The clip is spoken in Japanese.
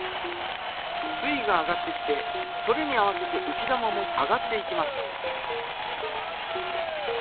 水位が上がってきてそれに合わせてうき玉も上がっていきます。